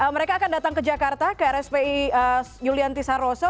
mereka akan datang ke jakarta ke rspi yulianti saroso